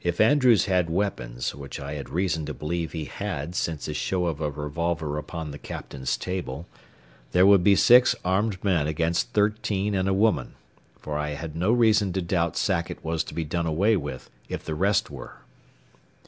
If Andrews had weapons, which I had reason to believe he had since his show of a revolver upon the captain's table, there would be six armed men against thirteen and a woman, for I had no reason to doubt Sackett was to be done away with if the rest were.